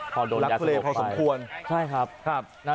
พอโดนยาสลบไป